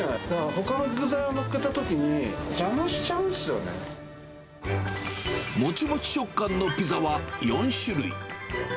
ほかの具材をのっけたときに、もちもち食感のピザは４種類。